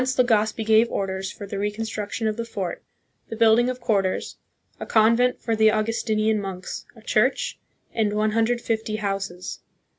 At once Legazpi gave orders for the reconstruction of the fort, the building of quarters, a convent for the Au gustinian monks, a church, and 150 houses.